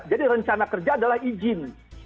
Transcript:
jadi rencana kerja adalah izin